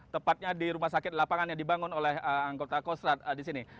tepatnya di rumah sakit lapangan yang dibangun oleh anggota kostrat di sini